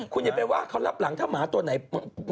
คุณอย่าไปว่าเขารับหลังถ้าหมาตัวไหน